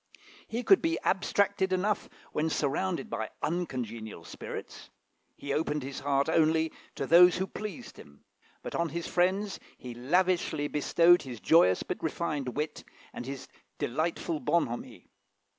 He could be abstracted enough when surrounded by uncongenial spirits; he opened his heart only to those who pleased him: but on his friends he lavishly bestowed his joyous but refined wit, and his delightful bonhomie.